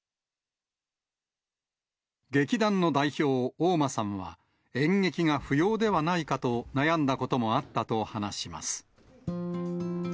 劇団の代表、大澗さんは、演劇が不要ではないかと悩んだこともあったと話します。